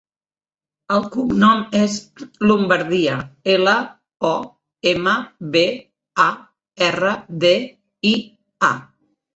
El cognom és Lombardia: ela, o, ema, be, a, erra, de, i, a.